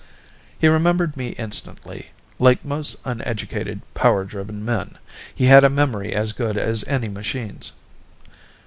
He remembered me instantly; like most uneducated, power driven men, he had a memory as good as any machine's.